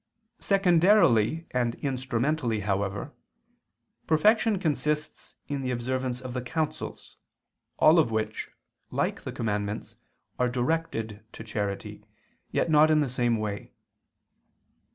Secondarily and instrumentally, however, perfection consists in the observance of the counsels, all of which, like the commandments, are directed to charity; yet not in the same way.